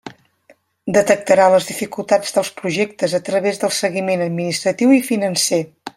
Detectarà les dificultats dels projectes a través del seguiment administratiu i financer.